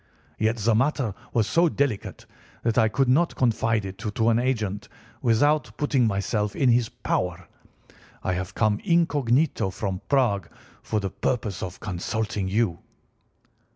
Yet the matter was so delicate that I could not confide it to an agent without putting myself in his power. I have come incognito from Prague for the purpose of consulting you."